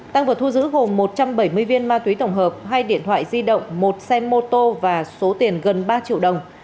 tăng vật thu giữ gồm một trăm bảy mươi viên ma túy tổng hợp hai điện thoại di động một xe mô tô và số tiền gần ba triệu đồng